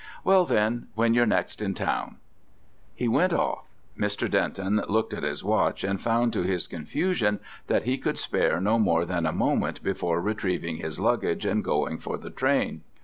Well, then, when you're next in town." He went off. Mr. Denton looked at his watch and found to his confusion that he could spare no more than a moment before retrieving his luggage and going for the train.